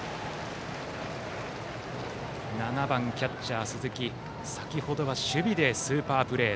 ７番キャッチャー、鈴木先程は守備でスーパープレー。